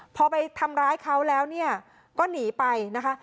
พอไปทำร้ายเขาแล้วเนี่ยก็หนีไปนะคะ